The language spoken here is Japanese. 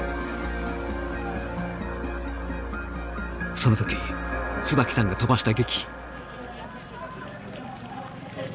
その時椿さんが飛ばした檄。